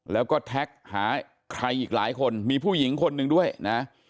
แล้วก็แท็กหาใครอีกหลายคนมีผู้หญิงคนหนึ่งด้วยนะ